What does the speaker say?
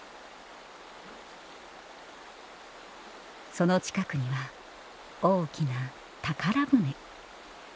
その近くには大きな宝船。